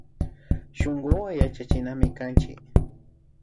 Shunkuwan yachachinami kanchik